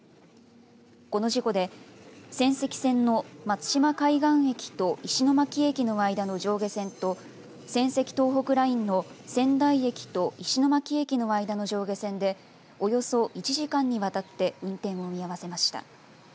この事故で仙石線の松島海岸駅と石巻駅の間の上下線と仙石東北ラインの仙台駅と石巻駅の間の上下線でおよそ１時間にわたって運転を見合わせました。